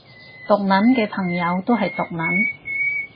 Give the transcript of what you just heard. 毒撚嘅朋友都係毒撚